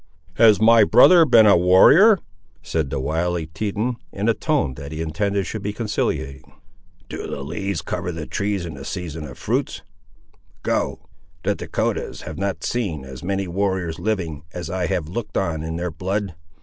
"Has my brother been a warrior?" said the wily Teton, in a tone that he intended should be conciliating. "Do the leaves cover the trees in the season of fruits? Go. The Dahcotahs have not seen as many warriors living as I have looked on in their blood!